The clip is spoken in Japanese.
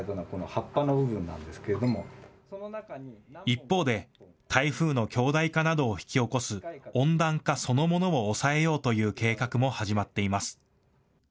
一方で台風の強大化などを引き起こす温暖化そのものを抑えようという計画も始まっています。